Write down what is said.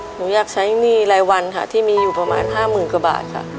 หนูอยากใช้หนี้รายวันค่ะที่มีอยู่ประมาณ๕๐๐๐กว่าบาทค่ะ